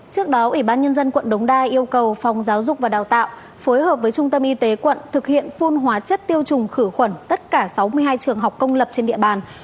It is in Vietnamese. trước đó ủy ban nhân dân quận đống đa yêu cầu phòng giáo dục và đào tạo phối hợp với trung tâm y tế quận thực hiện phun hóa chất tiêu trùng khử khuẩn tất cả sáu mươi hai trường học công lập trên địa bàn